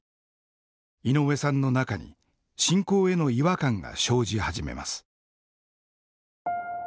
井上さんの中に信仰への違和感が生じ始めます。